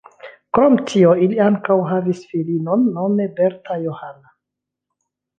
Krom tio ili ankaŭ havis filinon nome Berta Johanna.